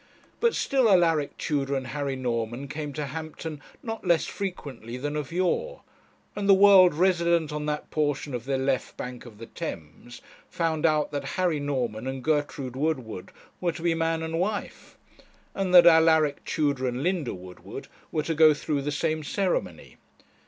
But still Alaric Tudor and Harry Norman came to Hampton not less frequently than of yore, and the world resident on that portion of the left bank of the Thames found out that Harry Norman and Gertrude Woodward were to be man and wife, and that Alaric Tudor and Linda Woodward were to go through the same ceremony.